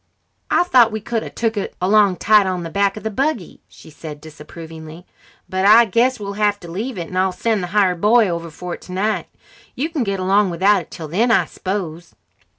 "I thought we could a took it along tied on the back of the buggy," she said disapprovingly, "but I guess we'll have to leave it, and I'll send the hired boy over for it tonight. You can get along without it till then, I s'pose?"